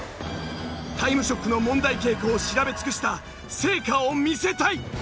『タイムショック』の問題傾向を調べ尽くした成果を見せたい！